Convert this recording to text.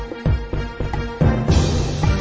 กินโทษส่องแล้วอย่างนี้ก็ได้